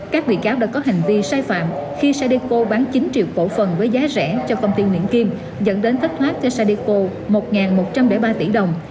các bị cáo đã có hành vi sai phạm khi sadeco bán chín triệu cổ phần với giá rẻ cho công ty nguyễn kim dẫn đến thất thoát cho sadipo một một trăm linh ba tỷ đồng